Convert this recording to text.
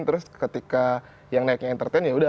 terus ketika yang naiknya entertain ya udah